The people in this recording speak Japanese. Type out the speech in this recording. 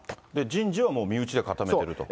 人事はもう身内で固めていると。